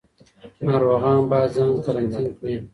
ناروغان باید ځان قرنطین کړي.